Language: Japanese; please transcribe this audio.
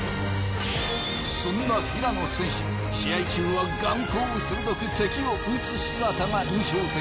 そんな平野選手試合中は眼光鋭く敵を討つ姿が印象的ですが。